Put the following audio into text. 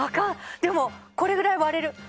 これぐらい割れる。